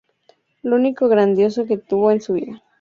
Lo único grandioso que tuvo en su vida.